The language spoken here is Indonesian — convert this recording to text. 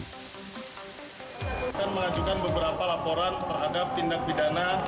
kita akan mengajukan beberapa laporan terhadap tindak bidana